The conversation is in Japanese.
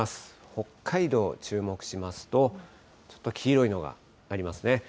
北海道、注目しますと、ちょっと黄色いのがありますね。